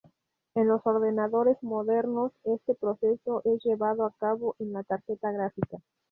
En los ordenadores modernos, este proceso es llevado a cabo en la tarjeta gráfica.